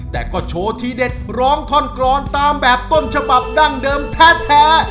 แต่ก็โชว์ทีเด็ดร้องท่อนกรอนตามแบบต้นฉบับดั้งเดิมแท้